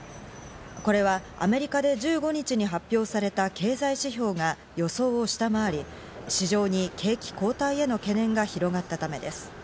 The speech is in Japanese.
これはアメリカで１５日に発表された経済指標が予想を下回り、市場に景気後退への懸念が広がったためです。